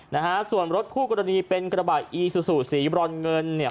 นะฮะส่วนรถคู่กรณีเป็นกระบะอีซูซูสีบรอนเงินเนี่ย